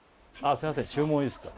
すいません注文いいですか・